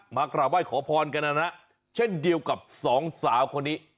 กราบไห้ขอพรกันนะนะเช่นเดียวกับสองสาวคนนี้